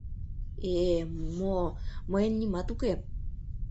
Э-э, мо-о, мыйын нимат уке.